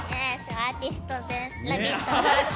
アーティストです、「ラヴィット！」